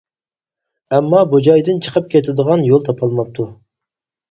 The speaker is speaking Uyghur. ئەمما بۇ جايدىن چىقىپ كېتىدىغان يول تاپالماپتۇ.